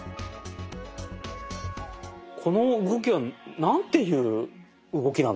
この動きは何ていう動きなんですか？